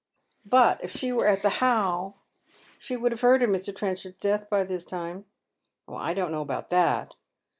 " But if she were at the How she would have heard of Mr. Trenchard's death by this time." " I don't know about that."